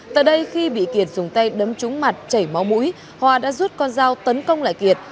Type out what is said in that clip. tại đây khi bị kiệt dùng tay đấm trúng mặt chảy máu mũi hòa đã rút con dao tấn công lại kiệt